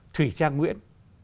thủy trang nguyễn